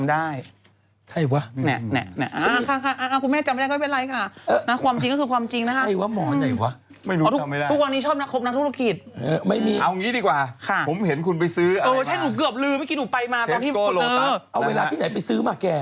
เอาเวลาที่ไหนไปซื้อป่ะแก